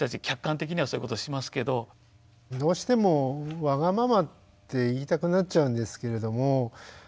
客観的にはそういうことをしますけど。どうしてもわがままって言いたくなっちゃうんですけれども。